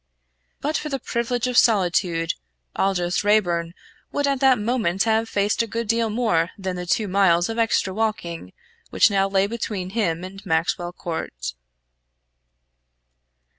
But for the privilege of solitude, Aldous Raeburn would at that moment have faced a good deal more than the two miles of extra walking which now lay between him and Maxwell Court.